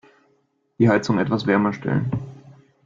Die Heizung etwas wärmer stellen.